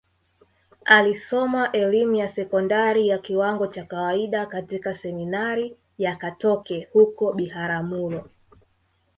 Alisoma elimu ya sekondari ya kiwango cha kawaida katika Seminari ya Katoke huko Biharamulo